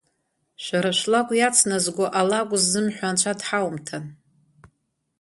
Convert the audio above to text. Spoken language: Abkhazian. Шәара шәлакә иацназго алакә ззымҳәо анцәа дҳаумҭан.